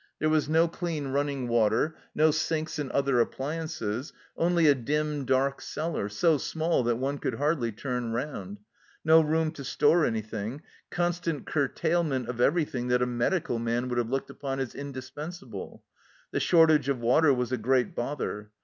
There was no clean running water ; no sinks and other ap pliances only a dim, dark cellar, so small that one could hardly turn round ; no room to store any thing ; constant curtailment of everything that a medical man would have looked upon as indis pensable. The shortage of water was a great bother.